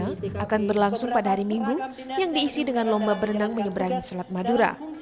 yang akan berlangsung pada hari minggu yang diisi dengan lomba berenang menyeberangi selat madura